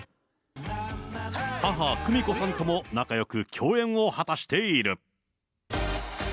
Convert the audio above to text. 母、久美子さんとも仲よく共演を果たしている。